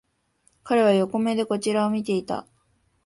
彼らは横目でこちらを見ていた